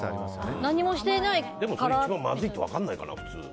でもそれが一番まずいって分からないかな。